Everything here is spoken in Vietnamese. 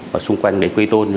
và xung quanh quây tôn